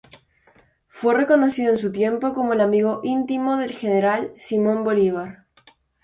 Fue reconocido en su tiempo como el amigo íntimo del general Simón Bolívar.